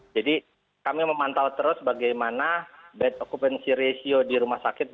jadi kami memantau terus bagaimana bed occupancy ratio di rumah sakit